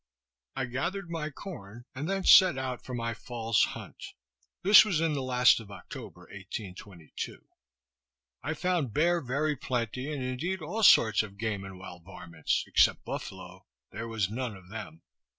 I gathered my corn, and then set out for my Fall's hunt. This was in the last of October, 1822. I found bear very plenty, and, indeed, all sorts of game and wild varments, except buffalo. There was none of them.